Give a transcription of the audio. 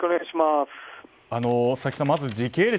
佐々木さん、まず時系列。